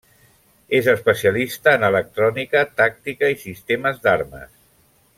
És especialista en electrònica, tàctica i sistemes d'armes.